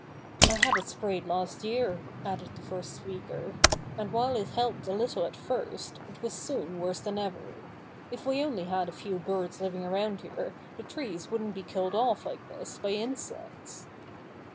"I had it sprayed last year," added the first speaker, "and while it helped a little at first it was soon worse than ever. If we only had a few birds living around here the trees wouldn't be killed off like this by insects."